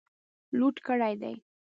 لوټ کړي دي.